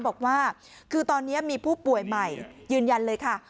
บอกว่าคือตอนนี้มีผู้ป่วยใหม่ยืนยันเลยค่ะ